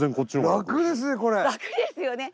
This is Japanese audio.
楽ですよね